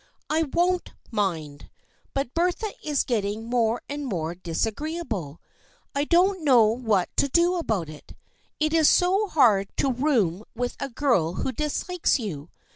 " I won't mind. But Bertha is getting more and more disagreeable. I don't know what to do about it. It is so hard to have to room with a girl who dislikes you.